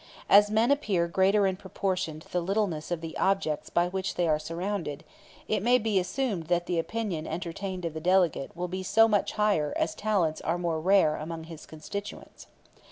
As men appear greater in proportion to the littleness of the objects by which they are surrounded, it may be assumed that the opinion entertained of the delegate will be so much the higher as talents are more rare among his constituents.